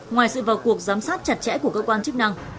ngoài sự vào cuộc giám sát chặt chẽ của cơ quan chức năng